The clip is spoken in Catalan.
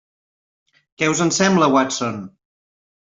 Què us en sembla, Watson?